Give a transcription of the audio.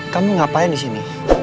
kamu ngapain disini